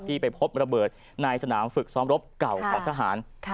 ไปพบระเบิดในสนามฝึกซ้อมรบเก่าของทหาร